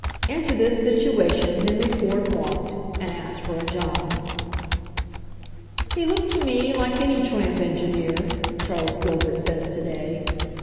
Into this situation Henry Ford walked, and asked for a job. "He looked to me like any tramp engineer," Charles Gilbert says to day.